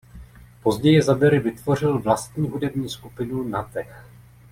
Později Zadery vytvořil vlastní hudební skupinu Nateh.